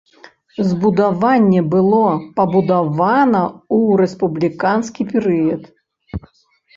Збудаванне было пабудавана ў рэспубліканскі перыяд.